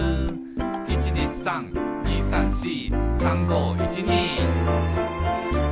「１２３２３４」「３５１２」